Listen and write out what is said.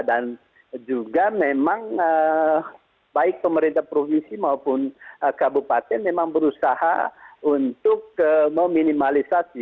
dan juga memang baik pemerintah provinsi maupun kabupaten memang berusaha untuk meminimalisasi